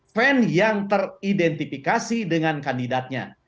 fan yang teridentifikasi dengan kandidatnya